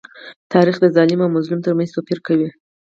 تاریخ د ظالم او مظلوم تر منځ توپير کوي.